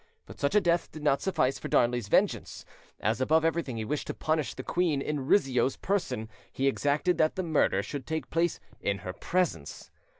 But such a death did not suffice for Darnley's vengeance; as above everything he wished to punish the queen in Rizzio's person, he exacted that the murder should take place in her presence.